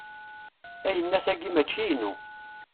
Ayennat-agi mačči inu.